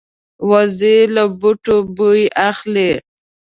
وزې له بوټو بوی اخلي